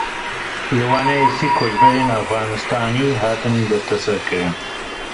Li Wanê sih koçberên Efxanistanî hatin desteserkirin.